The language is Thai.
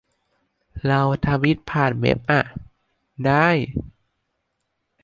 เราทวีตผ่านเว็บอ่ะ ได้